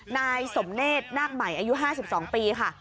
นายสมเนธนาคใหม่อายุ๕๒ปีค่ะ